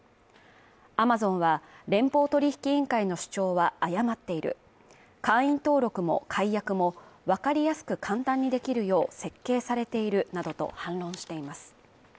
アマゾンは連邦取引委員会の主張は誤っている会員登録も解約もわかりやすく簡単にできるよう設計されているなどと反論しています。